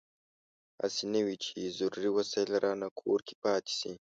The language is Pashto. هسې نه وي چې ضروري وسایل رانه کور کې پاتې شي.